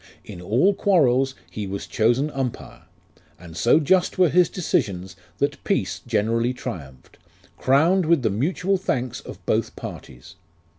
In all quarrels he was chosen Umpire And so just were his decisions, That peace generally triumphed, Crowned with the mutual thanks of both parties.